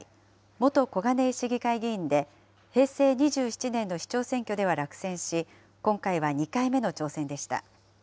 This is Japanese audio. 元小金井市議会議員で、平成２７年の市長選挙では落選し、今回は２回目の挑戦でした。